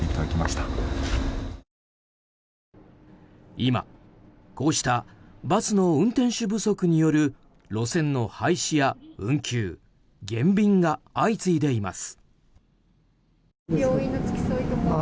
今、こうしたバスの運転手不足による路線の廃止や運休、減便が相次いでいます。